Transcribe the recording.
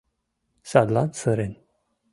Садлан сырен.